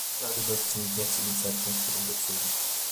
Ich halte das zum jetzigen Zeitpunkt für überzogen.